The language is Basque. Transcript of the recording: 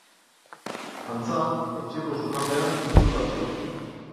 Antza, etxeko sukaldean piztu da sua.